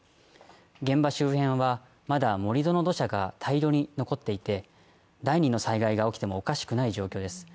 現場周辺はまだ盛り土の土砂が大量に残っていて第二の災害が起きてもおかしくない状況です。